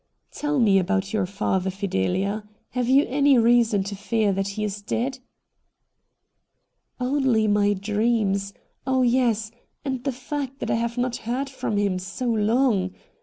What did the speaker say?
' Tell me about your father, Fidelia. Have you any reason to fear that he is dead ?'' Only my dreams — oh yes, and the fact that I have not heard from him so long.